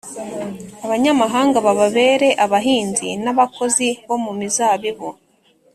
abanyamahanga bababere abahinzi n’abakozi bo mu mizabibu.